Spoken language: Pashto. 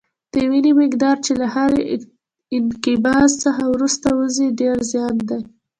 د وینې مقدار چې له هر انقباض څخه وروسته وځي ډېر زیات دی.